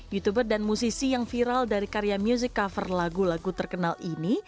youtuber dan musisi yang viral dari karya music cover lagu lagu terkenal ini